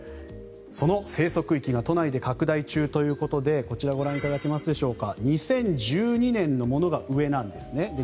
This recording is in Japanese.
その生息域が都内で拡大中ということでこちらご覧いただけますでしょうか２０１２年のものが上なんですね。